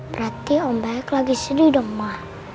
berarti om baik lagi sedih dong ma